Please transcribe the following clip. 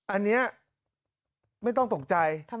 อันนี้ไม่ต้องตกใจ